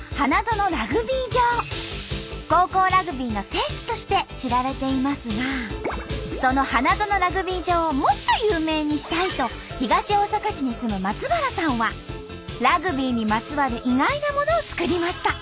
高校ラグビーの聖地として知られていますがその花園ラグビー場をもっと有名にしたいと東大阪市に住む松原さんはラグビーにまつわる意外なものを作りました。